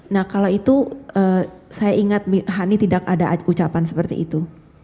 nah kalau itu saya ingat hani tidak ada ucapan seperti itu